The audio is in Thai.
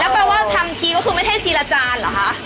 แปลว่าทำทีก็คือไม่ใช่ทีละจานเหรอคะ